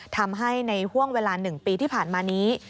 ทำให้ในห่วงเวลา๑ปีที่ผ่านมานี้